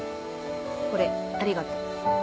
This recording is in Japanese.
これありがと。